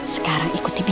sekarang ikut dibiul